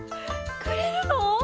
くれるの？